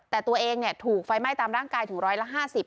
แต่ตัวเองเนี่ยถูกไฟไหม้ตามร่างกายถูกร้อยละห้าสิบ